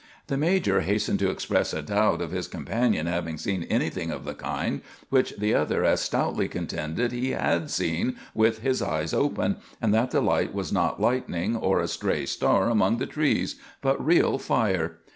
The major hastened to express a doubt of his companion having seen anything of the kind, which the other as stoutly contended he had seen with his eyes open, and that the light was not lightning or a stray star among the trees, but real fire.